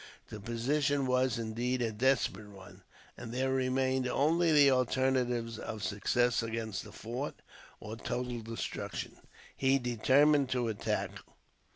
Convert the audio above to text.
The position was, indeed, a desperate one, and there remained only the alternatives of success against the fort, or total destruction. He determined to attack.